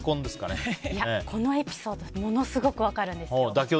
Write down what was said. このエピソードものすごく分かるんです。